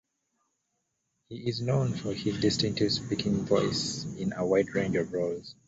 He is known for his distinctive speaking voice in a wide range of roles.